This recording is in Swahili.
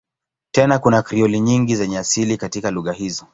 Tena kuna Krioli nyingi zenye asili katika lugha hizo.